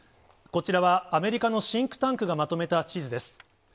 こちらは、アメリカのシンクタンクがまとめた地図です。